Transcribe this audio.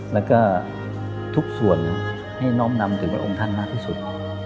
แล้วก็ทุกส่วนให้น้อมนำถึงพระองค์ท่านมากที่สุด